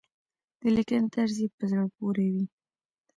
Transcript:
د لیکنې طرز يې په زړه پورې وي.